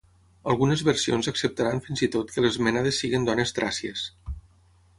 Algunes versions acceptaran fins i tot que les Mènades siguin dones tràcies.